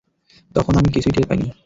তখন আমি কিছুই টের পাইনি।